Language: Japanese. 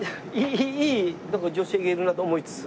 いい女性がいるなと思いつつ。